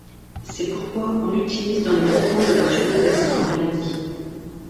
C'est pourquoi on l'utilise dans le traitement de la tumeur et d'autres maladies.